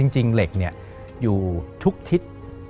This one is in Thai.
จริงเหล็กอยู่ทุกทิศ